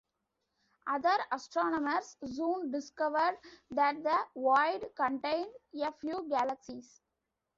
Other astronomers soon discovered that the void contained a few galaxies.